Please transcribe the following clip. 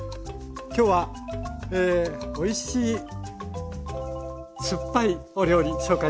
今日はおいしい酸っぱいお料理紹介しました。